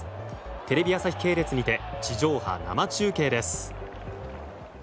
テレビ朝日系列にて地上波生中継です。